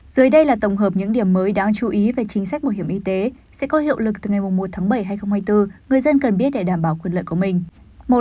dưới đây là tổng hợp những điểm mới đáng chú ý về chính sách bảo hiểm y tế sẽ có hiệu lực từ ngày một tháng bảy hai nghìn hai mươi bốn người dân cần biết để đảm bảo quyền lợi của mình